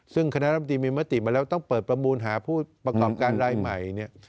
ซึ่งคณะรำตีมีมติมาแล้วต้องเปิดประมูลหาผู้ประกอบการรายใหม่เนี่ย